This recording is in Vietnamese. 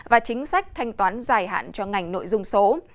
và chính sách thanh toán dài hạn cho ngành nội dung số